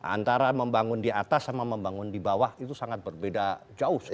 antara membangun di atas sama membangun di bawah itu sangat berbeda jauh